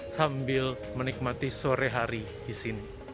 sambil menikmati sore hari di sini